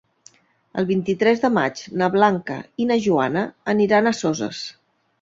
El vint-i-tres de maig na Blanca i na Joana aniran a Soses.